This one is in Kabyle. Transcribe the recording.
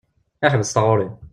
Ḥbes taɣuṛi!